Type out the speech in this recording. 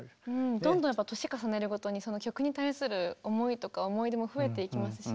どんどんやっぱ年重ねるごとにその曲に対する思いとか思い出も増えていきますしね。